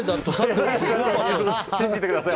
信じてください。